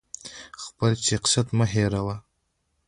خپل شخصیت مه هیروه!